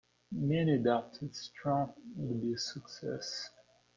Many doubted Strawn would be a success.